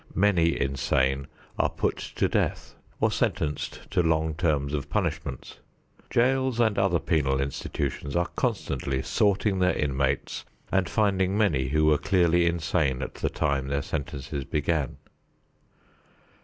Many insane are put to death or sentenced to long terms of punishments. Jails and other penal institutions are constantly sorting their inmates and finding many who were clearly insane at the time their sentences began.